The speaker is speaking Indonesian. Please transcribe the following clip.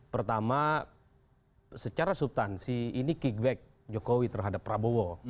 pertama secara subtansi ini kickback jokowi terhadap prabowo